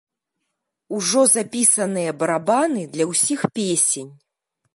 Ужо запісаныя барабаны для ўсіх песень.